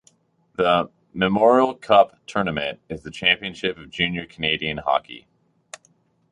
The Memorial Cup Tournament is the championship of Junior Canadian hockey.